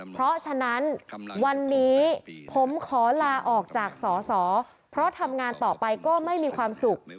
เพราะฉะนั้นวันนี้ผมขอลาออกจากสอสอเพราะทำงานต่อไปก็ไม่มีความสุข